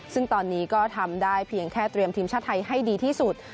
ซึ่งตอนนี้ก็ทำได้เพียงแค่เตรียมทีมชาติไทยให้ดีที่สุด